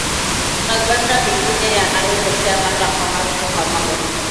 Magonjwa mengine yanayotokea mara kwa mara kwa ngombe